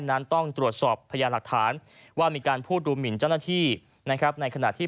นั้นต้องตรวจสอบพยานหลักฐานว่ามีการพูดดูหมินเจ้าหน้าที่